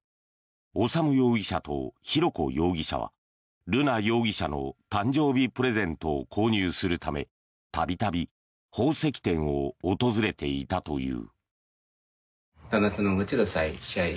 修容疑者と浩子容疑者は瑠奈容疑者の誕生日プレゼントを購入するため度々、宝石店を訪れていたという。